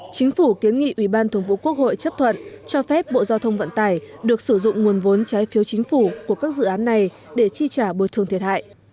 chính phủ kiến nghị ủy ban thường vụ quốc hội chấp thuận cho phép bộ giao thông vận tải được sử dụng nguồn vốn trái phiếu chính phủ của các dự án này để chi trả bồi thường thiệt hại